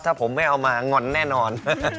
ถ้าผมไม่เอามางอนแน่นอน